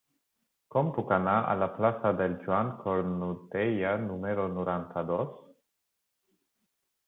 Com puc anar a la plaça de Joan Cornudella número noranta-dos?